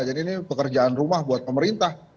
jadi ini pekerjaan rumah buat pemerintah